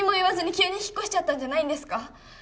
急に引っ越しちゃったんじゃないんですか！？